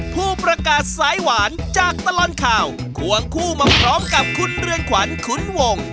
ผู้ประกาศสายหวานจากตลอดข่าวควงคู่มาพร้อมกับคุณเรือนขวัญขุนวง